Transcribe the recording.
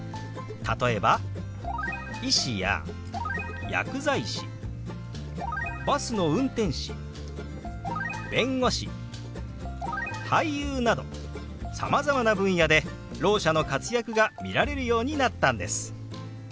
例えば医師や薬剤師バスの運転士弁護士俳優などさまざまな分野でろう者の活躍が見られるようになったんです。